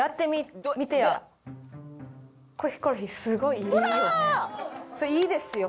いいですよ。